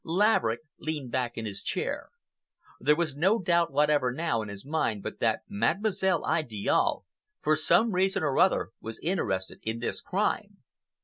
Laverick leaned back in his chair. There was no doubt whatever now in his mind but that Mademoiselle Idiale, for some reason or other, was interested in this crime.